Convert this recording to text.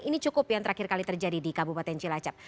ini cukup yang terakhir kali terjadi di kabupaten cilacap